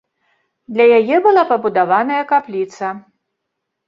Для яе была пабудаваная капліца.